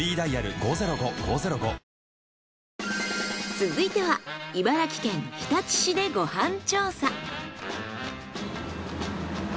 続いては茨城県日立市でご飯調査。